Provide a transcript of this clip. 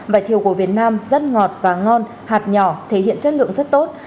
vải thiều của việt nam rất ngọt và ngon hạt nhỏ thể hiện chất lượng rất tốt